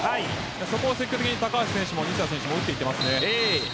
そこを積極的に高橋選手も西田選手も打っていますね。